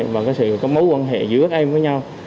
và cái sự có mối quan hệ giữa các em với nhau